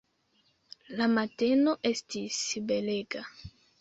La mateno estis belega.